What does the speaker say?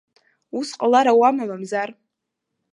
Ус ҟалар ауама мамзар!